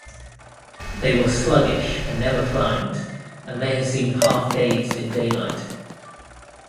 They were sluggish and never climbed and may have seemed half-dazed in daylight.